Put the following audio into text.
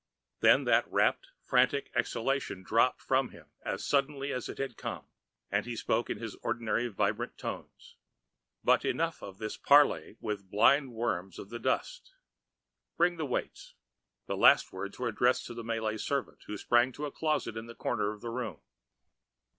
Then that rapt, fanatic exaltation dropped from him as suddenly as it had come, and he spoke in his ordinary vibrant tones. "But enough of this parley with blind worms of the dust. Bring the weights!" The last words were addressed to the Malay servants, who sprang to a closet in the corner of the room.